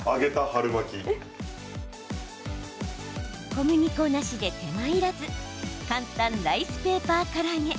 小麦粉なしで手間いらず簡単ライスペーパーから揚げ。